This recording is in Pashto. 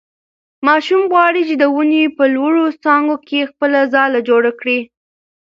ماشوم غواړي چې د ونې په لوړو څانګو کې خپله ځاله جوړه کړي.